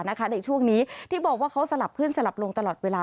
ในช่วงนี้ที่บอกว่าเขาสลับขึ้นสลับลงตลอดเวลา